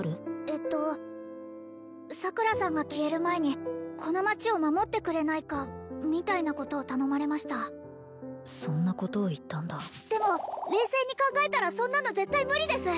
えっと桜さんが消える前にこの町を守ってくれないかみたいなことを頼まれましたそんなことを言ったんだでも冷静に考えたらそんなの絶対無理です！